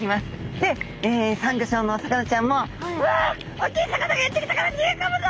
でサンギョ礁のお魚ちゃんも「うわおっきい魚がやって来たから逃げ込むぞ！」